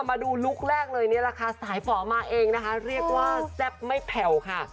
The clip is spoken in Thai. มาดูลุคแรกเลยนี่แหละค่ะสายฝ่อมาเองนะคะเรียกว่าแซ่บไม่แผ่วค่ะ